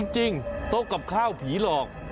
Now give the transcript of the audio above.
จริงโต๊ะกลับข้าวผีหลอก